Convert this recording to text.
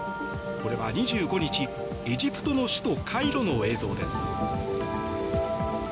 これは２５日、エジプトの首都カイロの映像です。